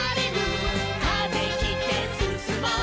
「風切ってすすもう」